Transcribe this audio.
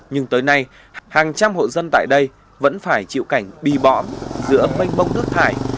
nhưng tới nay hàng trăm hộ dân tại đây vẫn phải chịu cảnh bì bọm giữa mênh bông nước thải